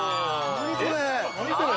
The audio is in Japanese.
何これ⁉